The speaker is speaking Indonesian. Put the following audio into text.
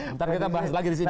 nanti kita bahas lagi disini